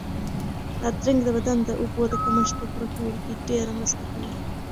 بادرنګ د بدن د اوبو د کمښت په پوره کولو کې ډېره مرسته کوي.